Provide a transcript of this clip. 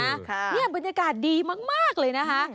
เนี่ยบรรยากาศดีมากเลยนะคะ